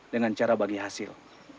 dengan cara bagi hasil